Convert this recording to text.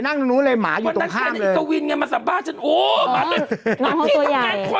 หมาอยู่ตรงข้ามเลย